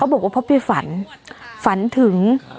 บอกว่าเพราะไปฝันฝันถึง